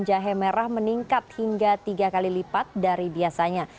jahe merah meningkat hingga tiga kali lipat dari biasanya